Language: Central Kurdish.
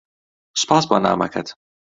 سوپاس بۆ نامەکەت.